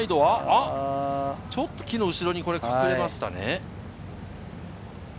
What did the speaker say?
ちょっと木の後ろに隠れましたね。